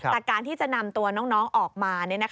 แต่การที่จะนำตัวน้องออกมา